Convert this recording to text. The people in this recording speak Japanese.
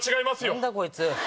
何だこいつ！